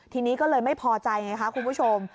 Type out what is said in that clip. ทีนี้ก็เลยไม่พอใจไงคะคุณผู้ชม